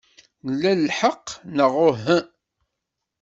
Nla lḥeqq, neɣ uhu?